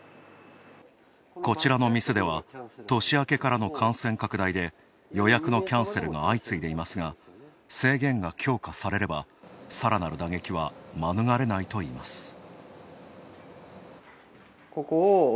こちらの店では年明けからの感染拡大で予約のキャンセルが相次いでいますが制限が強化されれば、さらなる打撃は免れないといいます。